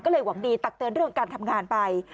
ก็เลยหวังดีตักเตือนเรื่องการทำงานไป